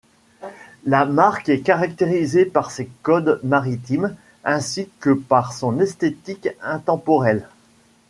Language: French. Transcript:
La marque est caractérisée par ses codes maritimes ainsi que par son esthétique intemporelle.